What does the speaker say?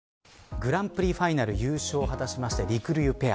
グランプリファイナル優勝を果たしました、りくりゅうペア。